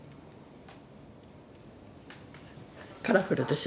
カラフルでしょ。